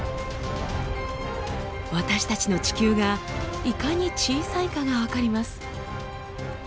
私たちの地球がいかに小さいかが分かります。